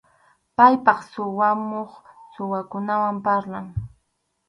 Paypaq suwamuq, suwakunawan parlan.